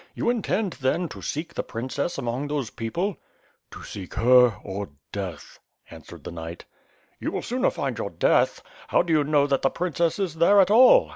You intend, then, to seek the princess among those people ?'' "To seek her, or death," answered the knight. "You will sooner find your death. How do you know that the princess is there at all?"